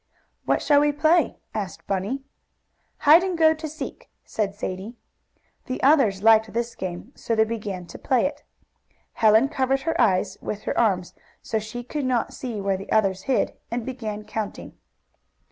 "What shall we play?" asked Bunny. "Hide and go to seek," said Sadie. The others liked this game, so they began to play it. Helen covered her eyes with her arms, so she could not see where the others hid, and began counting.